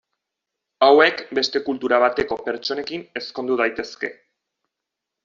Hauek beste kultura bateko pertsonekin ezkondu daitezke.